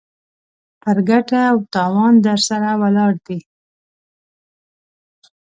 پر ګټه و تاوان درسره ولاړ دی.